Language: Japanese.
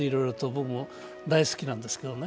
僕も大好きなんですけどね。